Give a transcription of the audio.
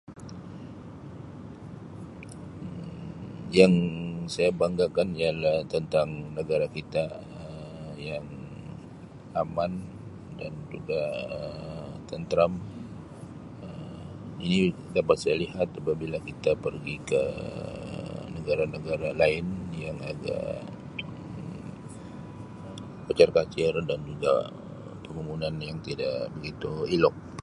Um Yang saya banggakan ialah tentang negara kita Um yang aman dan juga tenteram Um ia dapat saya lihat apabila kita pergi ke negara-negara lain yang agak kucar kacir dan juga pembangunan yang tidak begitu elok.